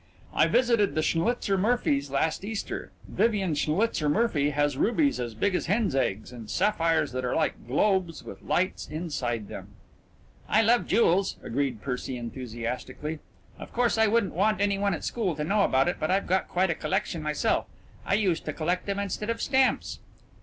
"I visited the Schnlitzer Murphys last Easter. Vivian Schnlitzer Murphy had rubies as big as hen's eggs, and sapphires that were like globes with lights inside them " "I love jewels," agreed Percy enthusiastically. "Of course I wouldn't want any one at school to know about it, but I've got quite a collection myself. I used to collect them instead of stamps."